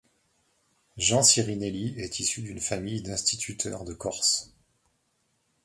Jean Sirinelli est issu d’une famille d’instituteurs de Corse.